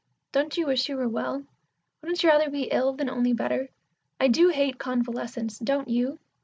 Don't you wish you were well? Wouldn't you rather be ill than only better? I do hate convalescence, don't you?"